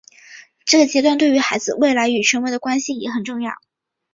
这个阶段对于孩子未来与权威的关系也很重要。